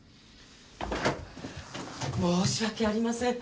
申し訳ありません。